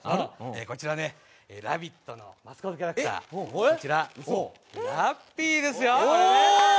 こちらね、「ラヴィット！」のマスコットキャラクターこちら、ラッピーですよ。